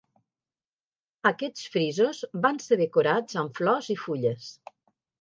Aquests frisos van ser decorats amb flors i fulles.